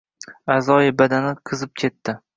A’zoyi badani qizib ketdi.